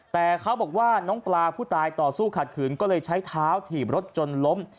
แต่เขาบอกว่าน้องปลาผู้ตายต่อสู้ขัดขืนก็เลยใช้เท้าถีบรถจนล้ม